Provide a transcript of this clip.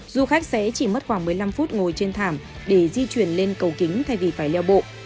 du khách sẽ chỉ mất khoảng một mươi năm phút ngồi trên thảm để di chuyển lên cầu kính thay vì phải leo bộ